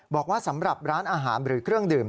บอกว่าสำหรับร้านอาหารหรือเครื่องดื่ม